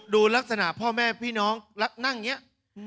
ดูลักษณะพ่อแม่พี่น้องนั่งเนี่ย